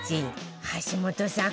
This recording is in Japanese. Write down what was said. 橋本さん